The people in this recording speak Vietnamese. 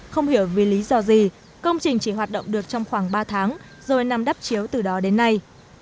không hiểu vì lý do gì công trình chỉ hoạt động được trong khoảng ba tháng rồi nằm đắp chiếu từ đó đến nay